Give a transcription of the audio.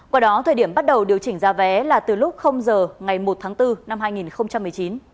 qua đó thời điểm bắt đầu điều chỉnh giá vé là từ lúc giờ ngày một tháng bốn năm hai nghìn một mươi chín